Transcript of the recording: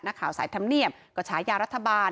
ข่าวสายธรรมเนียบก็ฉายารัฐบาล